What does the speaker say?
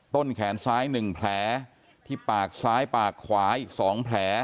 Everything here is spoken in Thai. ต้นแขนซ้าย๑แผลที่ปากซ้ายปากขวาอีก๒แผล